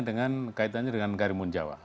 dengan kaitannya dengan karimun jawa